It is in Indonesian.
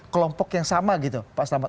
kelompok yang sama gitu pak selamat